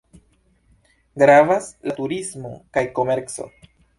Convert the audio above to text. Gravas la turismo kaj komerco.